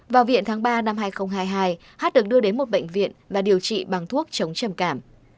vào viện tháng ba năm hai nghìn hai mươi hai h được đưa đến một bệnh viện và điều trị bằng thuốc chống chầm cảm